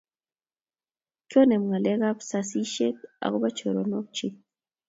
koinem ngalek ab sasishet akobo choronok chiik